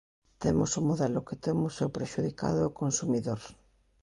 Temos o modelo que temos e o prexudicado é o consumidor.